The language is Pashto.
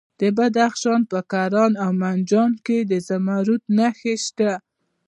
د بدخشان په کران او منجان کې د زمرد نښې شته.